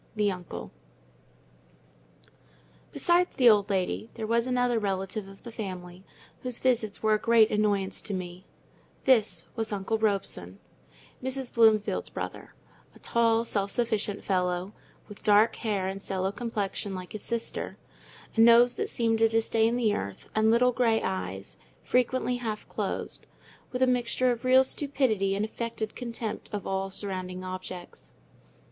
THE UNCLE Besides the old lady, there was another relative of the family, whose visits were a great annoyance to me—this was "Uncle Robson," Mrs. Bloomfield's brother; a tall, self sufficient fellow, with dark hair and sallow complexion like his sister, a nose that seemed to disdain the earth, and little grey eyes, frequently half closed, with a mixture of real stupidity and affected contempt of all surrounding objects.